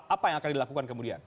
apa yang akan dilakukan kemudian